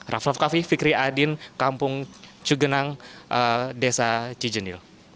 rafa kavi fikri adin kampung cugenang desa cijenil